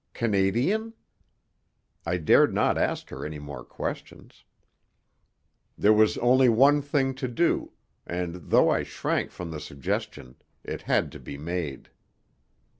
Canadian? I dared not ask her any more questions. There was only one thing to do, and, though I shrank from the suggestion, it had to be made.